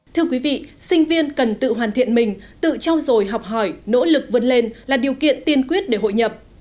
thưa quý vị sinh viên cần tự hoàn thiện mình tự trao dồi học hỏi nỗ lực vươn lên là điều kiện tiên quyết để hội nhập